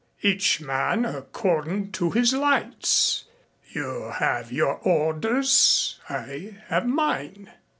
Each man according to his lights. You have your orders. I have mine.